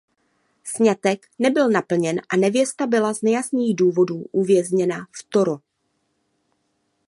Sňatek nebyl naplněn a nevěsta byla z nejasných důvodů uvězněna v Toro.